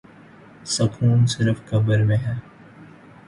سکون صرف قبر میں ہے